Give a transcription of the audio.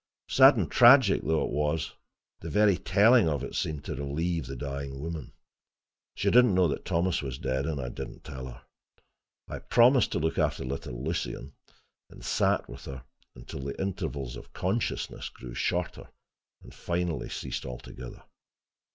Sad and tragic though it was, the very telling of it seemed to relieve the dying woman. She did not know that Thomas was dead, and I did not tell her. I promised to look after little Lucien, and sat with her until the intervals of consciousness grew shorter and finally ceased altogether.